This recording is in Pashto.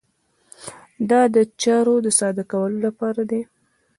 دا د چارو د ساده کولو لپاره دی.